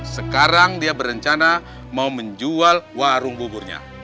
sekarang dia berencana mau menjual warung buburnya